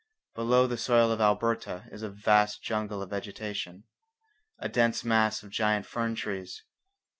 Below the soil of Alberta is a vast jungle of vegetation, a dense mass of giant fern trees.